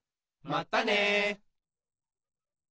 まったね。